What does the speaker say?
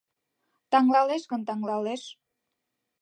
Таҥлалеш гын, таҥлалеш